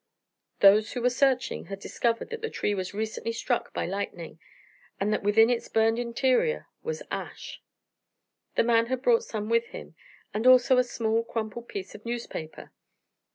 Those who were searching had discovered that the tree was recently struck by lightning and that within its burned interior was ash. The man had brought some with him, and also a small, crumpled piece of newspaper.